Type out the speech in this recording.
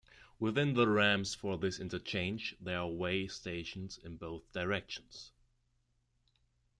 Within the ramps for this interchange, there are weigh stations in both directions.